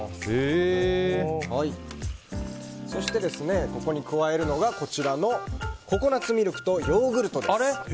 そして、ここに加えるのがココナツミルクとヨーグルトです。